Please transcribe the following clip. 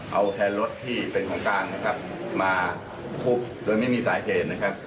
เอาแค่รถที่เป็นของกลางมาปุ๊บด้วยไม่มีสายเทส